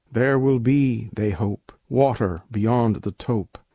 "There will be" they hope "Water beyond the tope!"